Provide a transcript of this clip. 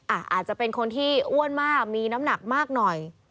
อาจจะเป็นคนที่อ้วนมากมีน้ำหนักมากหน่อย